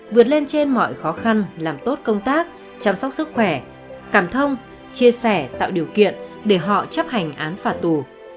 vượt lên trên mọi khó khăn làm tốt công tác chăm sóc sức khỏe cảm thông chia sẻ tạo điều kiện để họ chấp hành án phạt tù